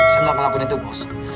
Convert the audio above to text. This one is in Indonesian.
saya gak mau lakuin itu bos